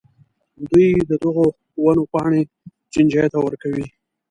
دوی د دغو ونو پاڼې چینجیو ته ورکوي.